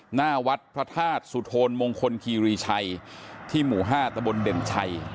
หน้าวัดพระธาตุสุโธนมงคลคีรีชัยที่หมู่๕ตะบนเด่นชัย